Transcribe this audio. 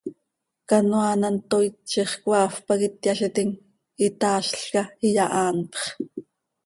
Canoaa an hant tooit, ziix coaafp pac ityaazitim, itaazlca, iyahaanpx.